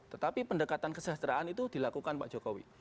tetapi pendekatan kesejahteraan itu dilakukan pak jokowi